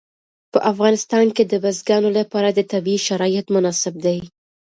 په افغانستان کې د بزګانو لپاره طبیعي شرایط مناسب دي.